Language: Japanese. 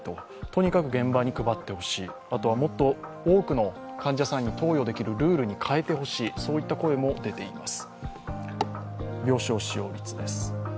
とにかく現場に配ってほしい、あとは、もっと多くの患者さんに投与できるルールに変えてほしい、そういった声も出ています。